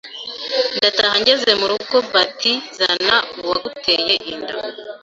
ndataha ngeze mu rugo bati zana uwaguteye inda